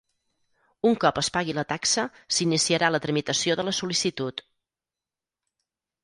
Un cop es pagui la taxa s'iniciarà la tramitació de la sol·licitud.